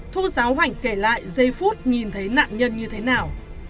thu giáo hoành kể lại giây phút nhìn thấy nạn nhân như thế nào